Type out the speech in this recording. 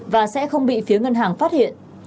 và sẽ không bị phía ngân hàng phát hiện